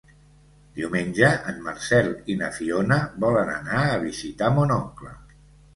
Diumenge en Marcel i na Fiona volen anar a visitar mon oncle.